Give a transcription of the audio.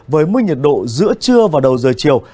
với mức nhiệt độ giữa trưa và đầu giờ chiều